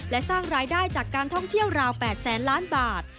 และสร้างรายได้จากการท่องเที่ยวราว๘แสนล้านบาท